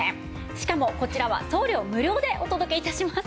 しかもこちらは送料無料でお届け致します。